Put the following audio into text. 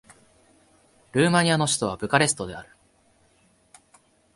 ルーマニアの首都はブカレストである